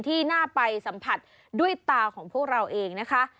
ที่น่าไปสัมผัสด้วยตาของพวกเราเองนะคะ